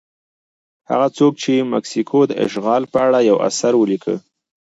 هغه څوک چې د مکسیکو د اشغال په اړه یو اثر ولیکه.